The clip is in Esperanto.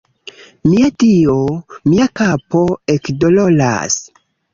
Mia Dio, mia kapo ekdoloras